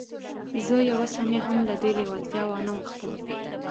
زه یوه ثانیه هم له دې لېوالتیا وانه وښتم